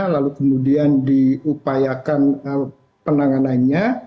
lalu kemudian diupayakan penanganannya